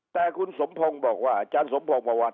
แต่คุณสมพงศ์บอกว่าอาจารย์สมพงศ์บอกว่า